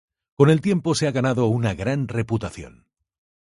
Con el tiempo se ha ganado una gran reputación.